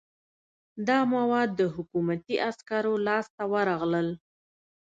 دا مواد د حکومتي عسکرو لاس ته ورغلل.